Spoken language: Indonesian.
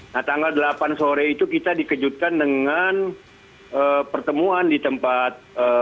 nah tanggal delapan sore itu kita dikejutkan dengan pertemuan di tempat